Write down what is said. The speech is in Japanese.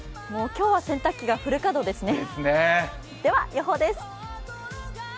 今日は洗濯機がフル稼働ですね。